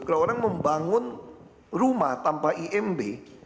kalau orang membangun rumah tanpa imb